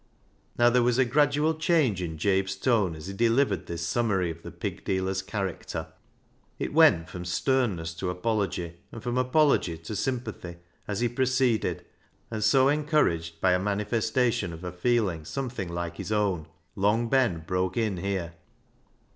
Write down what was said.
Now there was a gradual change in Jabe's tone as he delivered this summary of the pig dealer's character. It went from sternness to apology, and from apology to sympathy as he proceeded, and so encouraged by the manifesta tion of a feeling something like his own. Long Ben broke in here.